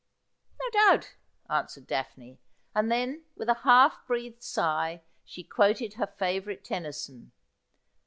' No doubt,' answered Daphne, and then, with a half breathed sigh, she quoted her favourite Tennyson.